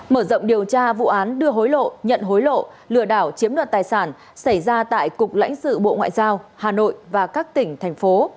mở rộng điều tra vụ án đưa hối lộ nhận hối lộ lừa đảo chiếm đoạt tài sản xảy ra tại cục lãnh sự bộ ngoại giao hà nội và các tỉnh thành phố